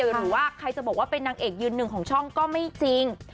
หรือว่าใครจะบอกว่าเป็นนางเอกยืนหนึ่งของช่องก็ไม่จริง